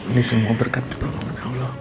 ini semua berkat pertolongan allah